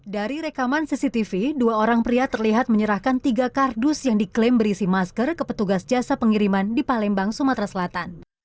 dari rekaman cctv dua orang pria terlihat menyerahkan tiga kardus yang diklaim berisi masker ke petugas jasa pengiriman di palembang sumatera selatan